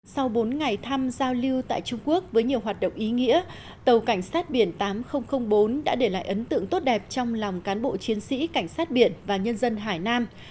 sau bốn ngày thăm giao lưu tại trung quốc với nhiều hoạt động ý nghĩa tàu cảnh sát biển tám nghìn bốn đã để lại ấn tượng tốt đẹp trong lòng cán bộ chiến sĩ cảnh sát biển và nhân dân hải nam